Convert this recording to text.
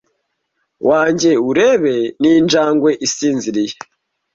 wange ureba ninjangwe isinziriye